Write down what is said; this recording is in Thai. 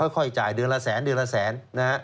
ค่อยจ่ายเดือนละแสน